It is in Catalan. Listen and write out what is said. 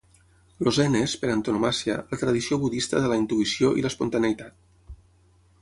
El zen és, per antonomàsia, la tradició budista de la intuïció i l'espontaneïtat.